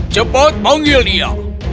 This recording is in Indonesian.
cepat panggil dia